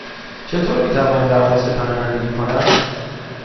چطور می توانم درخواست پناهندگی کنم؟